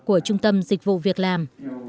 của trung tâm dịch vụ việc làm